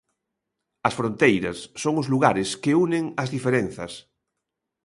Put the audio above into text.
As fronteiras son os lugares que unen as diferenzas.